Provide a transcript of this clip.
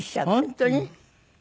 本当に？